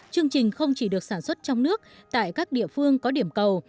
chương trình không chỉ được sản xuất trong nước tại các địa phương có điểm cầu